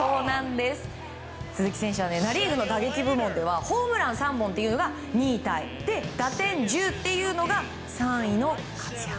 鈴木選手はナ・リーグの打撃部門ではホームラン３本が２位タイ打点１０というのが３位の活躍。